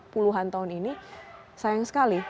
puluhan tahun ini sayang sekali